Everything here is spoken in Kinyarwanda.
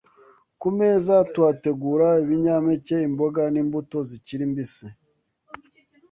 Ku meza tuhategura ibinyampeke, imboga, n’imbuto zikiri mbisi